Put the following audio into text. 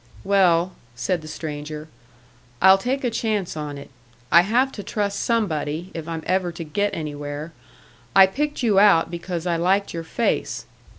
"Well," said the stranger, "I'll take a chance on it. I have to trust somebody, if I'm ever to get anywhere. I picked you out because I liked your face."